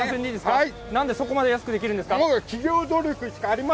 何でそこまで安くできるんですか。